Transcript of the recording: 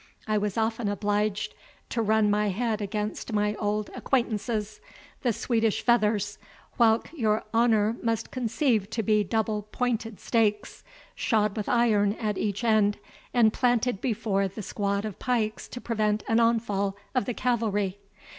I was often obliged to run my head against my old acquaintances, the Swedish feathers, whilk your honour must conceive to be double pointed stakes, shod with iron at each end, and planted before the squad of pikes to prevent an onfall of the cavalry.